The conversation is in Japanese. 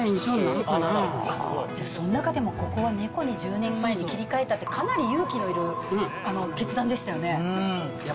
じゃあその中でもここは猫に１０年前に切り替えたって、かなり勇気のいる決断でしたよね。